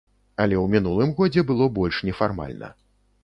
Але ў мінулым годзе было больш нефармальна.